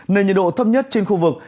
nền nhiệt độ thấp nhất trên khu vực